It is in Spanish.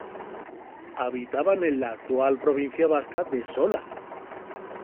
Habitaban en la actual provincia vasca de Sola.